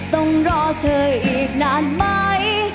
ต้องรอเฉยอีกนานไหม